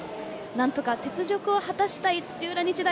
なんとか雪辱を果たしたい土浦日大。